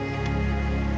aku akan lindungi non